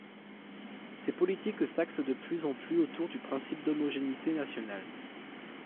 Ces politiques s’axent de plus en plus autour du principe d’homogénéité nationale.